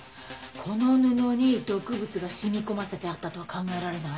この布に毒物が染み込ませてあったとは考えられない？